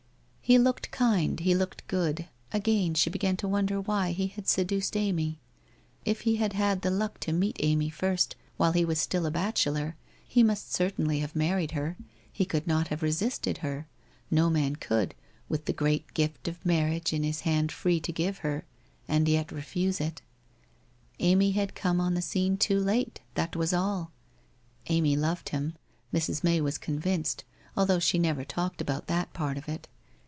... He looked kind. He looked good. Again she began to wonder why he had seduced Amy? If he had had the luck to meet Amy first while he was still a bachelor, he must certainly have married her, he could not have re sisted her — no man could, with the great gift of marriage in his hand free to give her, and yet refuse it. ... Amy had come on the scene too late, that was all! Amy loved him, Mrs. May was convinced, although she never talked about that part of it.